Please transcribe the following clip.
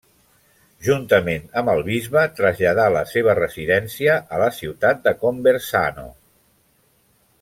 Juntament amb el bisbe traslladà la seva residència a la ciutat de Conversano.